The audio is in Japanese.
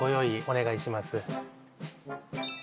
お願いします